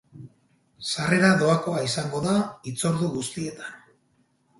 Sarrera doakoa izango da hitzordu guztietan.